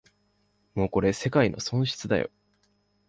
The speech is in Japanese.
もうこれ世界の損失だよ